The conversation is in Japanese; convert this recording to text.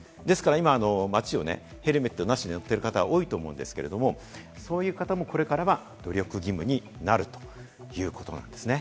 今、街をヘルメットなしで乗っている方、多いと思いますけれども、そういう方もこれからは努力義務になるということなんですね。